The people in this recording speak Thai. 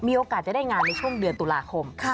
มีโอกาสจะได้งานในช่วงเดือนตุลาคม